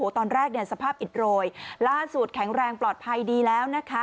ตอนแรกสภาพอิดโรยล่าสุดแข็งแรงปลอดภัยดีแล้วนะคะ